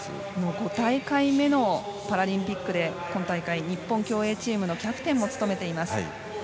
５大会目のパラリンピックで今大会、日本競泳チームのキャプテンを務めています。